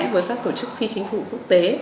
với các tổ chức phi chính phủ quốc tế